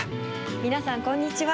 みなさんこんにちは。